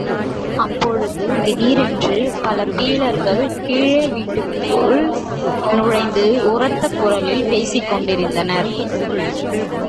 அப்பொழுது திடீரேன்று பல பீலர்கள் கீழே வீட்டுக்குள் நுழைந்து உரத்த குரலில் பேசிக்கொண்டிருந்தனர்.